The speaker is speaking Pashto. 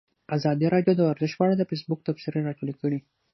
ازادي راډیو د ورزش په اړه د فیسبوک تبصرې راټولې کړي.